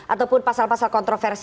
ataupun pasal pasal kontroversi